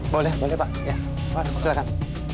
boleh pak silakan